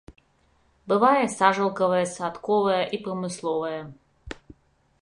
Бывае сажалкавае, садковае і прамысловае.